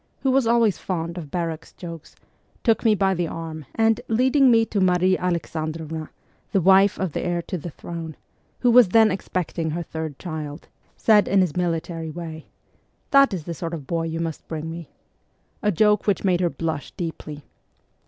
who was always fond of barrack jokes, took me by the arm, and, leading me to Marie Alexandrovna (the wife of the heir to the throne) , who was then expecting her third child, said in his military way, ' That is the sort of boy you must bring me' a joke which made her blush deeply.